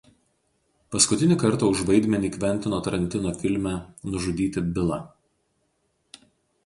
Paskutinį kartą už vaidmenį Kventino Tarantino filme „Nužudyti Bilą“.